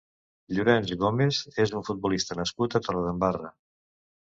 Llorenç Gomez és un futbolista nascut a Torredembarra.